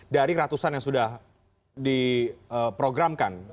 dari ratusan yang sudah diprogramkan